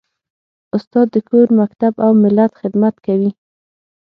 استاد د کور، مکتب او ملت خدمت کوي.